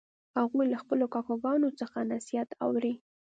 هغوی له خپلو کاکاګانو څخه نصیحت اوري